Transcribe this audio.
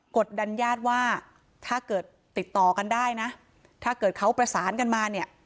กดดันญาติว่าถ้าเกิดติดต่อกันได้นะถ้าเกิดเขาประสานกันมาเนี่ย